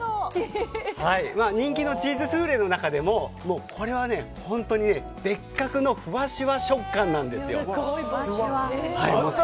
人気のチーズスフレの中でもこれは本当に別格のふわしゅわ食感なんですよ。